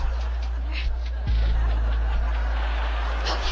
あ！